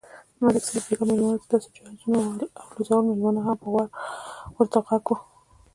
ملک صاحب بیگا مېلمنوته داسې جهازونه الوزول، مېلمانه هم په غور ورته غوږ و.